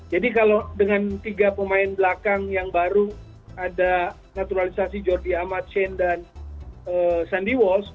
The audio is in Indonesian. jadi kalau dengan tiga pemain belakang yang baru ada naturalisasi georgi amat sein dan sandy walsh